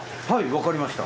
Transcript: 分かりました。